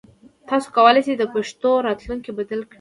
تاسو کولای شئ د پښتو راتلونکی بدل کړئ.